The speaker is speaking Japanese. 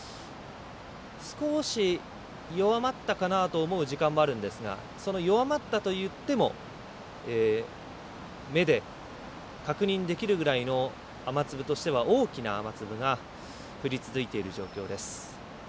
少し、弱まったかなと思う時間もあるんですがその弱まったといっても目で確認できるくらいの雨粒としては、大きな雨粒が降り続いている状況です。